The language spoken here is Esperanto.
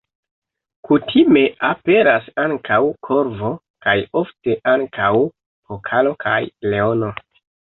Kutime aperas ankaŭ korvo kaj ofte ankaŭ pokalo kaj leono.